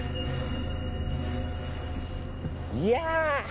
いや。